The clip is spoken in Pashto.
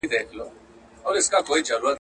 یوه ورځ لاري جلا سوې د یارانو.